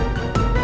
aku mau kasih tau